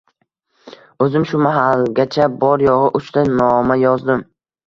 O’zim shu mahalgacha bor-yo’g’i uchta noma yozdim.